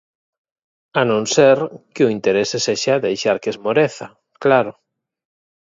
A non ser que o interese sexa deixar que esmoreza, claro.